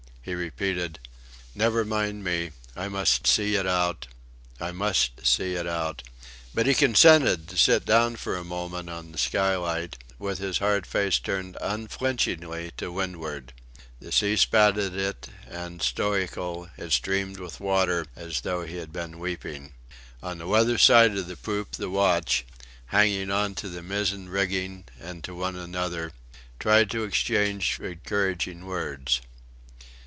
He repeated: "Never mind me. I must see it out I must see it out," but he consented to sit down for a moment on the skylight, with his hard face turned unflinchingly to windward. The sea spat at it and stoical, it streamed with water as though he had been weeping. On the weather side of the poop the watch, hanging on to the mizen rigging and to one another, tried to exchange encouraging words.